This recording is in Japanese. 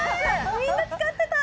みんな使ってた！